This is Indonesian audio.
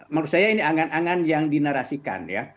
menurut saya ini angan angan yang dinarasikan ya